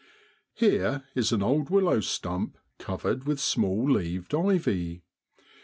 Here is an old willow stump covered with small leaved ivy.